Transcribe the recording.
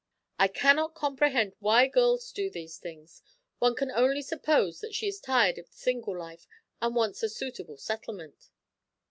I cannot comprehend why girls do these things; one can only suppose that she is tired of the single life and wants a suitable settlement."